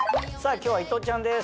今日は伊藤ちゃんです